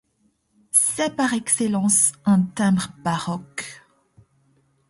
C’est par excellence un timbre baroque.